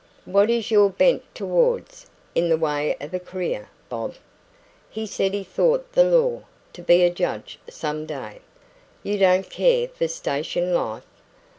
"What is your bent towards, in the way of a career, Bob?" He said he thought the law to be a judge some day. "You don't care for station life?"